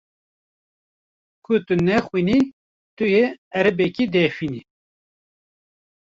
Ku tu nexwînî tu yê erebokê dehfînî.